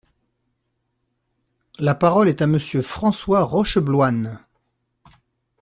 La parole est à Monsieur François Rochebloine.